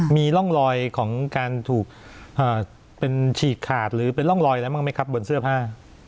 มีร่องรอยของการถูกเป็นฉีกขาดหรือเป็นร่องรอยอะไรบ้างไหมครับบนเสื้อผ้า